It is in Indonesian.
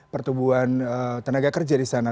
pertumbuhan tenaga kerja di sana